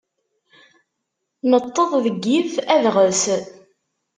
Neṭṭeḍ deg yif adɣes.